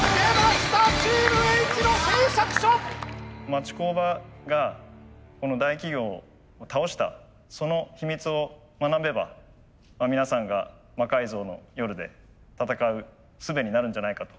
町工場がこの大企業を倒したその秘密を学べば皆さんが「魔改造の夜」で戦うすべになるんじゃないかと。